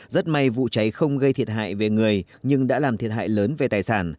rất may vụ cháy không gây thiệt hại về người nhưng đã làm thiệt hại lớn về tài sản